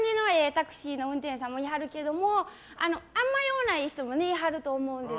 タクシーの運転手さんもいはるけどもあんまり良くない人もいはると思うんです。